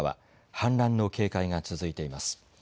氾濫の警戒が続いています。